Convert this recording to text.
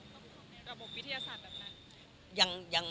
กระบบวิทยาศาสตร์แบบนั้น